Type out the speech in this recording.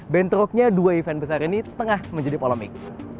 bandrocknya dua event besar ini tengah menjadi polomik